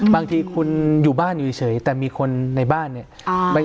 บางทีคุณอยู่บ้านอยู่เฉยแต่มีคนในบ้านเนี่ย